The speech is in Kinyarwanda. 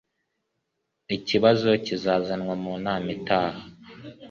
Ikibazo kizazanwa mu nama itaha.